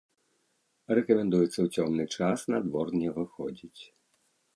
Рэкамендуецца ў цёмны час на двор не выходзіць.